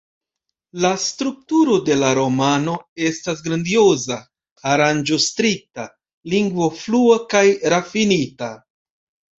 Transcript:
La strukturo de la romano estas grandioza, aranĝo strikta, lingvo flua kaj rafinita.